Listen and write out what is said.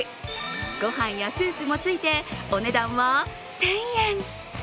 ご飯やスープもついてお値段は１０００円。